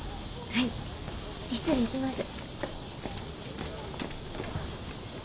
はい失礼します。